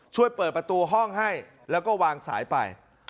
ช่วยเปิดประตูห้องให้แล้วก็วางสายไป